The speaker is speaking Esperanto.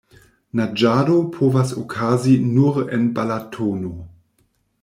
Naĝado povas okazi nur en Balatono.